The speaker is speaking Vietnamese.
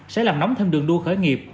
sẽ làm nóng thêm đường đua khởi nghiệp